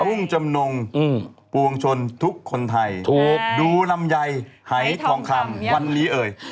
รุ่งจำนงปวงชนทุกคนไทยถูกดูลำไยหายทองคำวันนี้เอ่ย